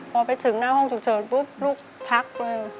พอไปถึงหน้าห้องฉุกเฉินปุ๊บลูกชักเลย